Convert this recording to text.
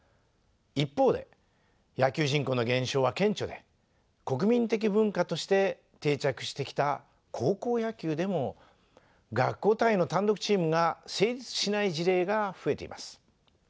一方で野球人口の減少は顕著で国民的文化として定着してきた高校野球でも学校単位の単独チームが成立しない事例が増えています。